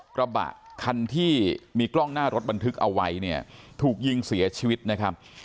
กระบะคันที่มีกล้องหน้ารถบันทึกเอาไว้เนี่ยถูกยิงเสียชีวิตนะครับ